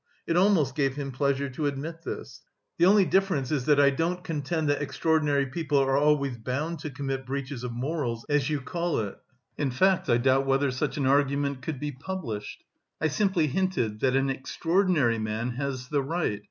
(It almost gave him pleasure to admit this.) "The only difference is that I don't contend that extraordinary people are always bound to commit breaches of morals, as you call it. In fact, I doubt whether such an argument could be published. I simply hinted that an 'extraordinary' man has the right...